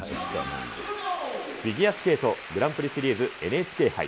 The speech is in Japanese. フィギュアスケートグランプリシリーズＮＨＫ杯。